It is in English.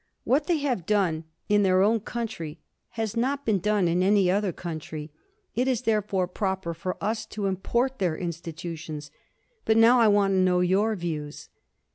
What they have done in their own country has not been done in any other country. It is, therefore, proper for us to import their institutions. But now I want to know your views.